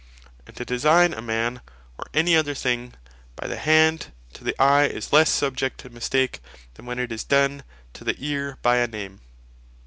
And to design a man, or any other thing, by the Hand to the Eye is lesse subject to mistake, than when it is done to the Eare by a Name.